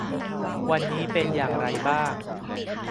วันนี้เป็นอย่างไรบ้าง